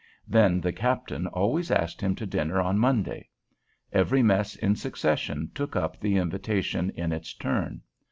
Then the captain always asked him to dinner on Monday. Every mess in succession took up the invitation in its turn.